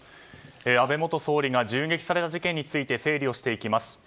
安倍元総理が銃撃された事件について整理をしていきます。